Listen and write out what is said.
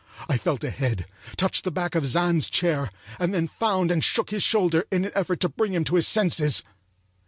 I felt ahead, touched the back of Zann's chair, and then found and shook his shoulder in an effort to bring him to his senses.